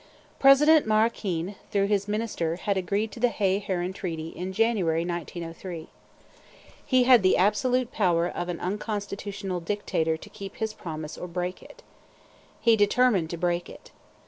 President Maroquin, through his Minister, had agreed to the Hay Herran Treaty in January, 1903. He had the absolute power of an unconstitutional dictator to keep his promise or break it. He determined to break it.